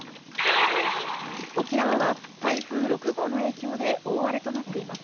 沖縄は台風６号の影響で大荒れとなっています。